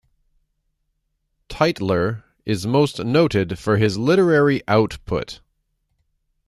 Tytler is most noted for his literary output.